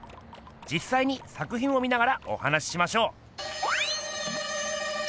じっさいに作品を見ながらお話ししましょう！